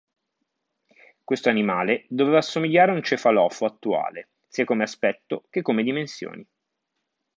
Questo animale doveva assomigliare a un cefalofo attuale, sia come aspetto che come dimensioni.